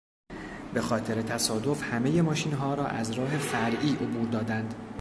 به خاطر تصادف همه ماشینها را از راه فرعی عبور دادند.